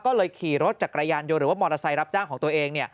ก็เลยขี่รถจากกระยันหรือมอเตอร์ไซค์รับจ้างของตัวเอง